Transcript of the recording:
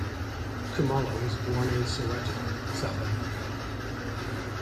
Kumalo was born in Soweto, South Africa.